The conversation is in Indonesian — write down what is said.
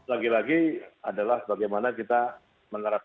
lagi lagi adalah bagaimana kita menerapkan